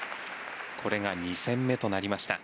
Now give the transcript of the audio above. これが２戦目となりました。